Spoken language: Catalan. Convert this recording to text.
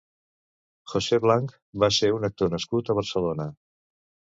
José Blanch va ser un actor nascut a Barcelona.